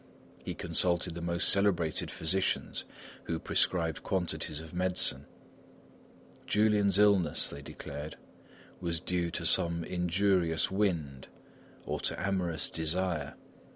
He consulted the most celebrated physicians, who prescribed quantities of medicine. Julian's illness, they declared, was due to some injurious wind or to amorous desire.